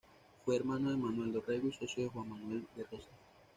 Fue hermano de Manuel Dorrego y socio de Juan Manuel de Rosas.